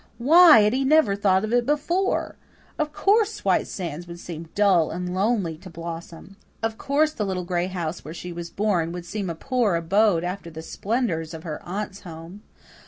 Why had he never thought of it before? Of course White Sands would seem dull and lonely to Blossom; of course the little gray house where she was born would seem a poor abode after the splendours of her aunt's home.